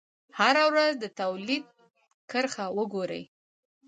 هره ورځ د تولید کرښه وګورئ.